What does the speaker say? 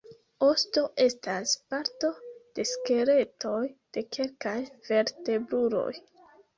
Osto estas parto de skeletoj de kelkaj vertebruloj.